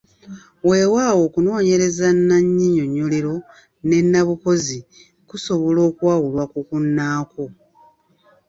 Weewaawo okunoonyereza nnannyinnyonnyolero ne nnabukozi kusobola okwawulwa ku kunnaakwo.